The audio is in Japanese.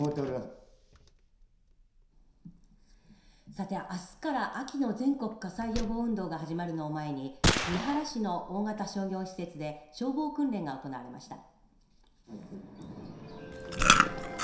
さて、あすから秋の全国火災予防運動が始まるのを前に三原市の大型商業施設で消防訓練が行われました。